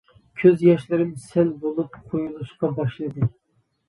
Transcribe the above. كۆز ياشلىرىم سەل بولۇپ قۇيۇلۇشقا باشلىدى.